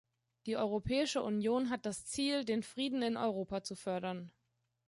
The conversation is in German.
Die Europäische Union hat das Ziel, den Frieden in Europa zu fördern.